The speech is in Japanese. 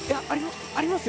ありますよ。